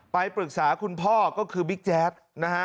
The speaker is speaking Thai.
ไปปรึกษาคุณพ่อก็คือบิ๊กแจ๊ดนะฮะ